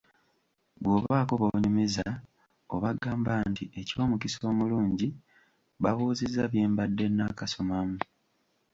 Bw'obako b'onyumiza, obagamba nti; eky'omukisa omulungi, babuuzizza bye mbadde nnaakasomamu.